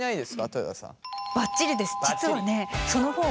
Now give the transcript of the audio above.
豊田さん。